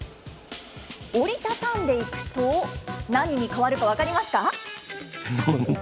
折り畳んでいくと、何に変わるか分かりますか。